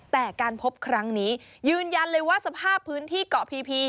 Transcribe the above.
แต่การพบครั้งนี้ยืนยันเลยว่าสภาพพื้นที่เกาะพีพี